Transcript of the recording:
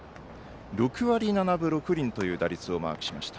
６割７分６厘という打率をマークしました。